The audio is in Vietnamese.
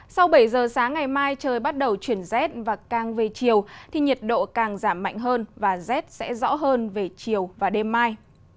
sau bảy giờ sáng ngày mai trời bắt đầu chuyển rét và càng về chiều thì nhiệt độ càng giảm mạnh hơn và rét sẽ rõ hơn về chiều và đêm mai